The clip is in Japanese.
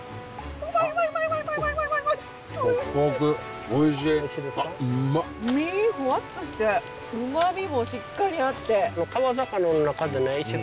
身ふわっとしてうまみもしっかりあって。